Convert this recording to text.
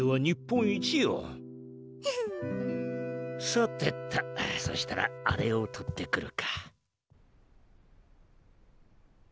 さてとそしたらあれを取ってくるか。